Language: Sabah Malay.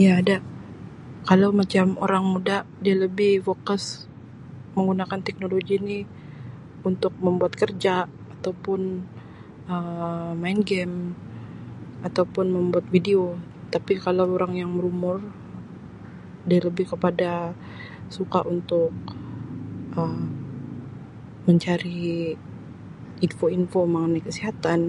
Iya ada kalau macam orang muda dia lebih fokus menggunakan teknologi ni untuk membuat kerja atau pun Um main game atau pun membuat video tapi kalau orang yang berumur dia lebih kepada suka untuk Um mencari info-info mengenai kesihatan.